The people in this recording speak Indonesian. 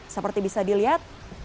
seperti bisa dilihat